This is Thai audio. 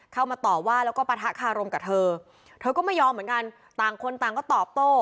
เข้ามาต่อว่าแล้วก็ปะทะคารมกับเธอเธอก็ไม่ยอมเหมือนกันต่างคนต่างก็ตอบโต้